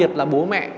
đặc biệt là bố mẹ